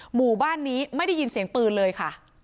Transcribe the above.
หมู่บ้านนี้ไม่ได้ยินเสียงปืนเลยค่ะ